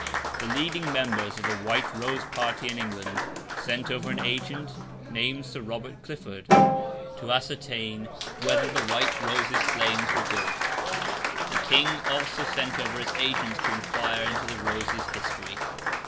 The leading members of the White Rose party in England sent over an agent, named Sir Robert Clifford, to ascertain whether the White Rose's claims were good: the King also sent over his agents to inquire into the Rose's history.